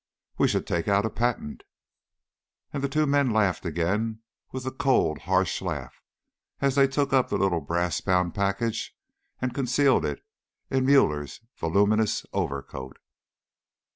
"We should take out a patent." And the two men laughed again with a cold harsh laugh, as they took up the little brass bound package, and concealed it in Müller's voluminous overcoat.